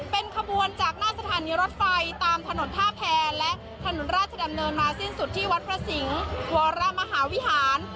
เป็นขบวนจากหน้าสถานีรถไฟตามถนนท่าแพรและถนนราชดำเนินมาสิ้นสุดที่วัดพระสิงห์วรมหาวิหาร